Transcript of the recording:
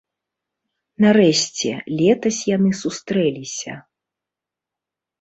Нарэшце, летась яны сустрэліся.